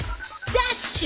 ダッシュ？